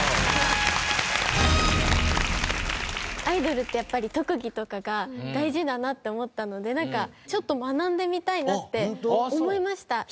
アイドルってやっぱり特技とかが大事だなって思ったのでちょっと学んでみたいなって思いました。